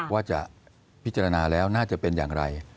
ว่าจะพิจารณาแล้วน่าจะเป็นอย่างไร